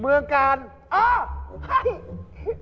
เมืองกาลใช่